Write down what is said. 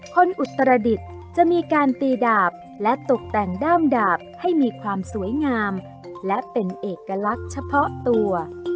อุตรดิษฐ์จะมีการตีดาบและตกแต่งด้ามดาบให้มีความสวยงามและเป็นเอกลักษณ์เฉพาะตัว